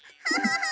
ハハハ！